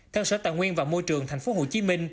theo sở tạng nguyên và môi trường tp hcm